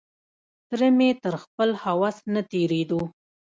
تره مې تر خپل هوس نه تېرېدو.